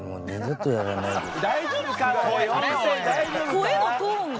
声のトーンが。